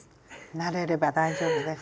慣れれば大丈夫です。